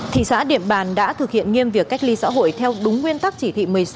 thị xã điện bàn đã thực hiện nghiêm việc cách ly xã hội theo đúng nguyên tắc chỉ thị một mươi sáu